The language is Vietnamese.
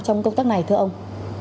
trong công tác này thưa ông